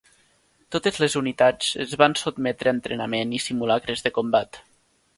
Totes les unitats es van sotmetre a entrenament i simulacres de combat.